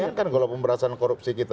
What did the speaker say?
bayangkan kalau pemberantasan korupsi kita